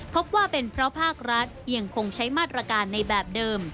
พบว่าเป็นเพราะภาครัฐยังคงใช้มาตรการในแบบเดิม